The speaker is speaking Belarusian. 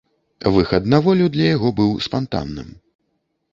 Выхад на волю для яго быў спантанным.